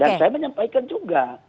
dan saya menyampaikan juga